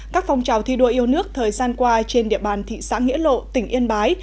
các phong trào thi đua yêu nước thời gian qua trên địa bàn thị xã nghĩa lộ tỉnh yên bái